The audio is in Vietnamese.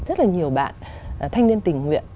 rất là nhiều bạn thanh niên tình nguyện